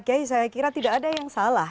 kiai saya kira tidak ada yang salah